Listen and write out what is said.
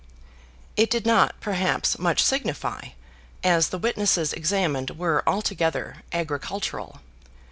It did not, perhaps, much signify, as the witnesses examined were altogether agricultural.